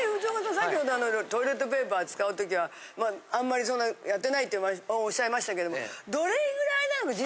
さっき言ったトイレットペーパー使うときはあんまりそんなやってないっておっしゃいましたけども。